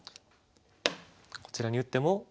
こちらに打っても。